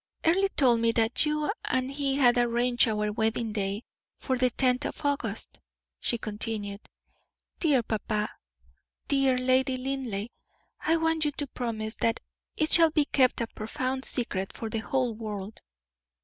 "Earle told me that you and he had arranged our wedding day for the tenth of August," she continued. "Dear papa, dear Lady Linleigh, I want you to promise that it shall be kept a profound secret from the whole world."